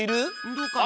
どうかな？